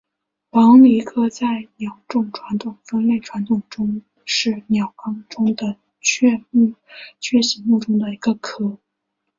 黄鹂科在鸟类传统分类系统中是鸟纲中的雀形目中的一个科。